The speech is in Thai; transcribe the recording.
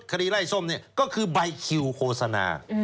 คดีไล่ส้มนี่ก็คือใบคิวโฆษณา